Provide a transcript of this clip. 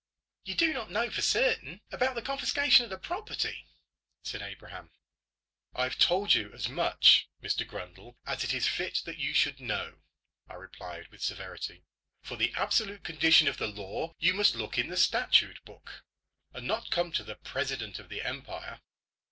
"You do not know for certain about the confiscation of the property," said Abraham. "I've told you as much, Mr Grundle, as it is fit that you should know," I replied, with severity. "For the absolute condition of the law you must look in the statute book, and not come to the President of the empire."